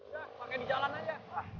ya pakai di jalan aja